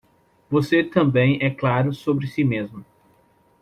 Você também é claro sobre si mesmo